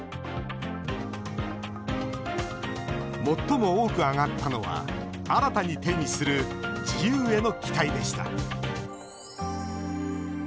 最も多く挙がったのは新たに手にする自由への期待でした。